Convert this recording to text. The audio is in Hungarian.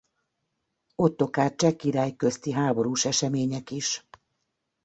Ottokár cseh király közti háborús események is.